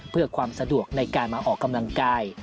เพื่อความสะดวกในการมาออกกำลังกาย